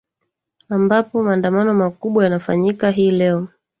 ambapo maandamano makubwa yanafanyika hii leo